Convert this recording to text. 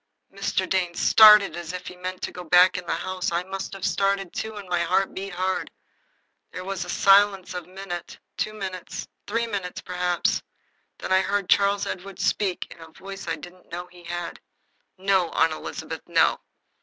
Mr. Dane started as if he meant to go back into the house. I must have started, too, and my heart beat hard. There was a silence of a minute, two minutes, three perhaps. Then I heard Charles Edward speak, in a voice I didn't know he had. "No, Aunt Elizabeth, no.